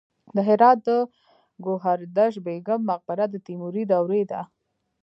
د هرات د ګوهردش بیګم مقبره د تیموري دورې ده